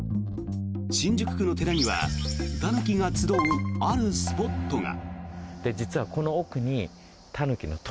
新宿区の寺にはタヌキが集うあるスポットが。